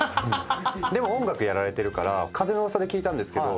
でも音楽やられてるから風の噂で聞いたんですけど。